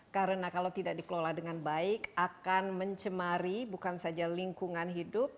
karena kalau tidak dikelola dengan baik akan mencemari bukan saja lingkungan hidup